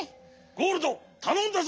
ゴールドたのんだぞ！